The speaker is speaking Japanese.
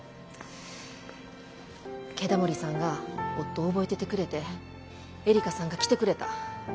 慶田盛さんが夫を覚えててくれてえりかさんが来てくれた。